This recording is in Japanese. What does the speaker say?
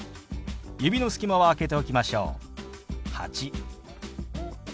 指の隙間は空けておきましょう。